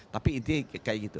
tapi intinya kayak gitu